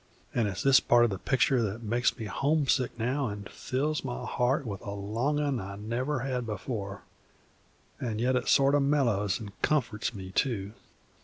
An' it's this part o' the pictur' that makes me homesick now and fills my heart with a longin' I never had before; an' yet it sort o' mellows an' comforts me, too.